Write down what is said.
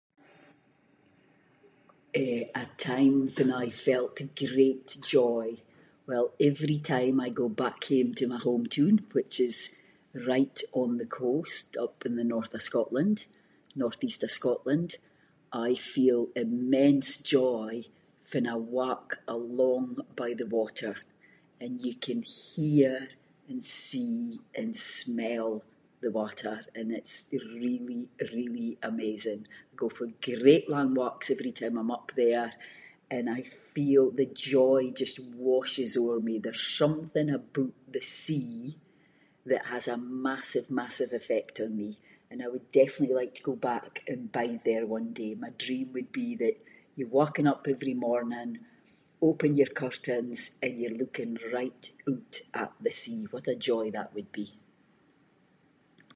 Eh a time fann I felt great joy, well every time I go back hame to my home toon, which is right on the coast up in the North of Scotland, Northeast of Scotland. I feel immense joy fann I walk along by the water, and you can hear and see and smell the water, and it’s really really amazing. I go for great lang walks every time I’m up there, and I feel the joy just washes over me, there’s something aboot the sea, that has a massive massive effect on me. And I would definitely like to go back and bide there one day. My dream would be that you’re waking up every morning, open your curtains, and you’re looking right oot at the sea. What a joy that would be.